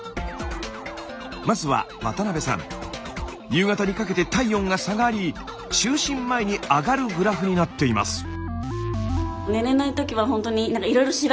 まずは夕方にかけて体温が下がり就寝前に上がるグラフになっています。